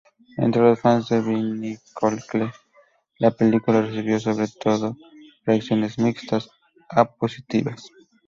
Entre los fans de Bionicle, la película recibió sobre todo reacciones mixtas a positivas.